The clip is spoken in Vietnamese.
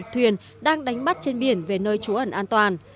một thuyền đang đánh bắt trên biển về nơi trú ẩn an toàn